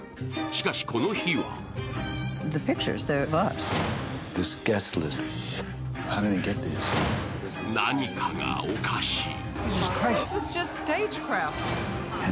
しかし、この日は何かがおかしい。